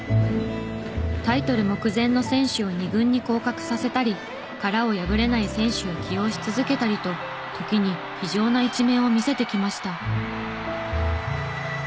タイトル目前の選手を二軍に降格させたり殻を破れない選手を起用し続けたりと時に非情な一面を見せてきました。